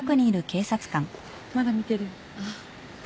まだ見てる。